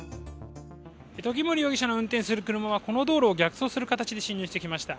時森容疑者の運転する車はこの道路を逆走する形で進入してきました。